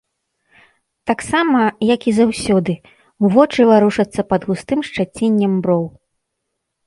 Таксама, як і заўсёды, вочы варушацца пад густым шчаціннем броў.